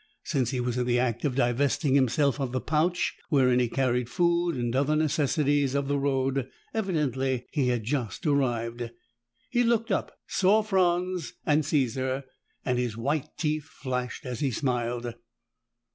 Since he was in the act of divesting himself of the pouch wherein he carried food and other necessities of the road, evidently he had just arrived. He looked up, saw Franz and Caesar, and his white teeth flashed as he smiled.